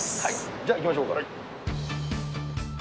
じゃあ、行きましょうか。